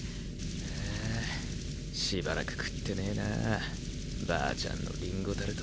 ああしばらく食ってねぇなばあちゃんのリンゴタルト。